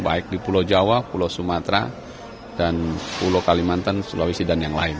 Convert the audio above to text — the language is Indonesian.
baik di pulau jawa pulau sumatera dan pulau kalimantan sulawesi dan yang lain